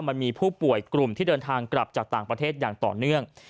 มันมีผู้ป่วยกลุ่มที่เดินทางกลับจากต่างประเทศอย่างต่อเนื่อง